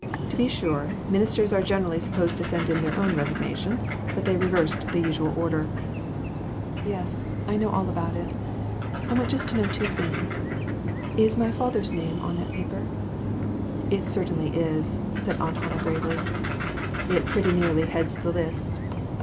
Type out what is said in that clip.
To be sure, ministers are generally supposed to send in their own resignations, but they reversed the usual order." 4O8 INTUITIONS. "Yes, I know all about it; I want to know just two things. Is my father's name on that paper?" "It certainly is," said Aunt Hannah, gravely; "it pretty nearly heads the list."